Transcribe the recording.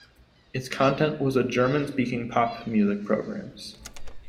Its content was a German-speaking pop music programs.